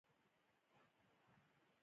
واوره د افغانستان د هیوادوالو لپاره ویاړ دی.